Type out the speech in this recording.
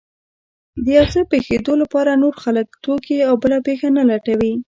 د يو څه پېښېدو لپاره نور خلک، توکي او بله پېښه نه لټوي.